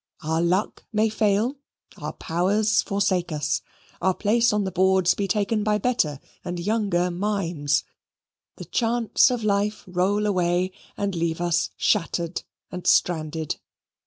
Our luck may fail: our powers forsake us: our place on the boards be taken by better and younger mimes the chance of life roll away and leave us shattered and stranded.